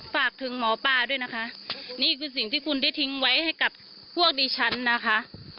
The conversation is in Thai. ฝากถึงหมอปลาด้วยนะคะนี่คือสิ่งที่คุณได้ทิ้งไว้ให้กับพวกดิฉันนะคะ